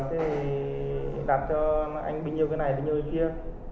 thì em bảo đấy ơn thế được thì đặt cho anh bình như cái này bình như cái kia